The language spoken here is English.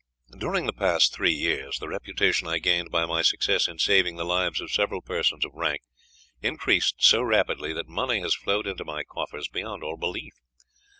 "During the past three years the reputation I gained by my success in saving the lives of several persons of rank, increased so rapidly that money has flowed into my coffers beyond all belief.